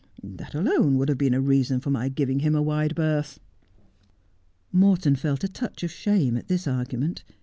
That alone would have been a reason for my giving him a wide berth.' Morton felt a touch of shame at this argument.